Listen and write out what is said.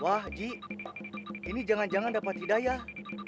wah ji ini jangan jangan dapat hidayah